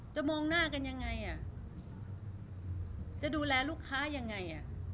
จะมองหน้ากันยังไงจะดูแลลูกค้ายังไง